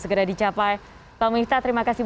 segera dicapai pak miftah terima kasih